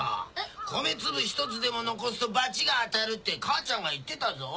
米粒１つでも残すとバチが当たるって母ちゃんが言ってたぞ。